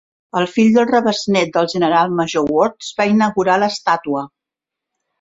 El fill del rebesnét del general major Wards va inaugurar l"estàtua.